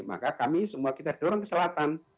maka kami semua kita dorong ke selatan